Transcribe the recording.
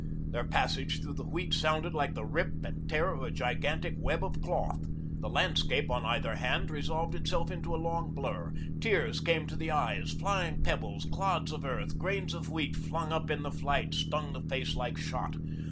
Their passage through the wheat sounded like the rip and tear of a gigantic web of cloth. The landscape on either hand resolved itself into a long blur. Tears came to the eyes, flying pebbles, clods of earth, grains of wheat flung up in the flight, stung the face like shot.